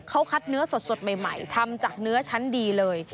เขาคัดเนื้อสดใหม่ทำจากเนื้อชั้นดีเลย